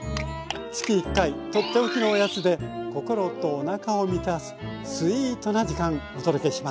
月１回取って置きのおやつで心とおなかを満たすスイートな時間お届けします。